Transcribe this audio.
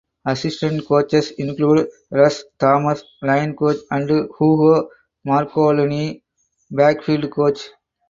Assistant coaches included Russ Thomas (line coach) and Hugo Marcolini (backfield coach).